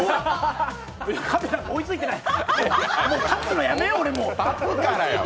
カメラが追いついてない。